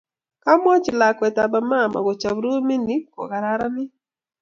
Kwamwachi lakwet aba mama kochop rumit ni kokararanit